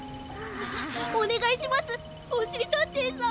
おねがいします！